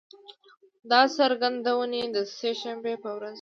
دا څرګندونې د سه شنبې په ورځ